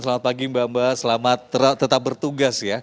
selamat pagi mbak mbak selamat tetap bertugas ya